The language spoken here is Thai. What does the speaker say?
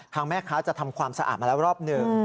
แม่ค้าจะทำความสะอาดมาแล้วรอบหนึ่ง